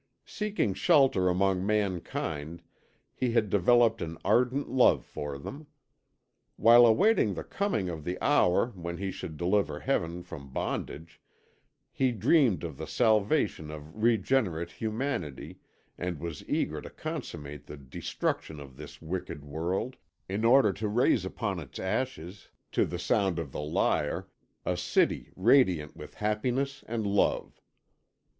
Seeking shelter among mankind he had developed an ardent love for them. While awaiting the coming of the hour when he should deliver Heaven from bondage, he dreamed of the salvation of regenerate humanity and was eager to consummate the destruction of this wicked world, in order to raise upon its ashes, to the sound of the lyre, a city radiant with happiness and love.